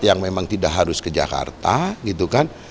yang memang tidak harus ke jakarta gitu kan